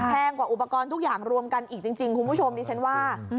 กว่าอุปกรณ์ทุกอย่างรวมกันอีกจริงคุณผู้ชมดิฉันว่า